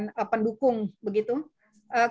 kira kira sih masih sama seperti yang lama